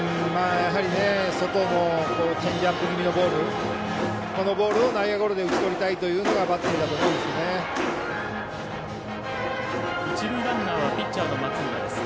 やはり外のチェンジアップ気味のボールを内野ゴロで打ち取りたいのがバッテリーだと思うんですね。